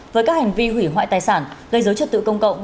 với các hành vi hủy hoại tài sản gây dối trật tự công cộng